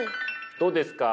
どうですか？